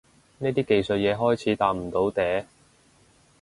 呢啲技術嘢開始搭唔到嗲